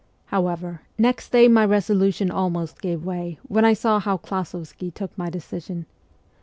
However, next day my resolution almost gave way when I saw how Klasovsky took my decision.